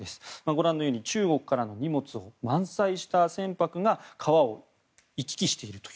ご覧のように中国からの荷物を満載した船舶が川を行き来していると。